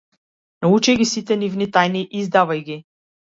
Научи ги сите нивни тајни и издавај ги.